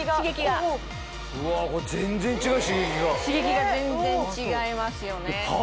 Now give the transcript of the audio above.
刺激が全然違いますよね。